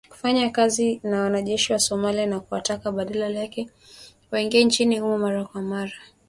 kufanya kazi na wanajeshi wa Somalia na kuwataka badala yake waingie nchini humo mara kwa mara